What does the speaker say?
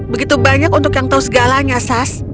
begitu banyak untuk yang tahu segalanya sas